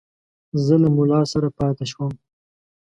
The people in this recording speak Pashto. زه له مُلا سره پاته شوم.